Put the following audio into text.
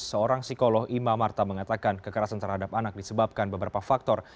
seorang psikolog ima marta mengatakan kekerasan terhadap anak disebabkan beberapa faktor